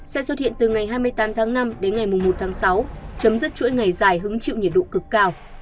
sẽ xuất hiện từ ngày hai mươi tám tháng năm đến ngày một tháng sáu chấm dứt chuỗi ngày dài hứng chịu nhiệt độ cực cao